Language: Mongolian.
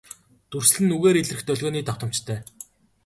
Дүрслэл нь үгээр илрэх долгионы давтамжтай.